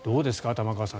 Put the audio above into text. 玉川さん。